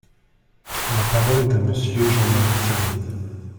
La parole est à Monsieur Jean-Marie Sermier.